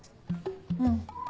うん。